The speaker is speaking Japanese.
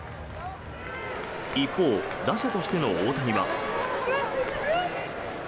一方、打者としての大谷は。